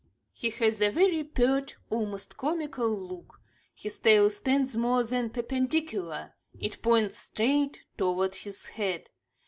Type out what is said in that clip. He has a very pert, almost comical look. His tail stands more than perpendicular: it points straight toward his head.